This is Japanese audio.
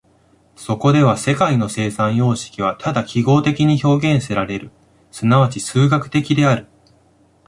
そこでは世界の生産様式はただ記号的に表現せられる、即ち数学的である。